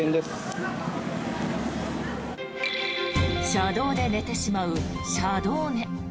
車道で寝てしまう車道寝。